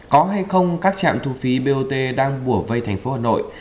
có hay không các chạm thu phí bot đang bủa vây thành phố hà nội